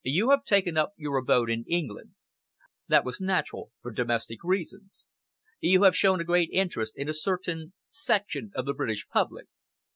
You have taken up your abode in England. That was natural, for domestic reasons. You have shown a great interest in a certain section of the British public.